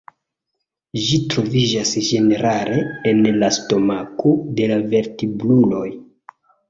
Ĝi troviĝas ĝenerale en la stomako de la vertebruloj.